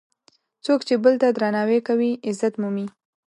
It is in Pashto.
څوک چې بل ته درناوی کوي، عزت مومي.